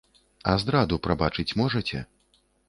А здраду прабачыць можаце?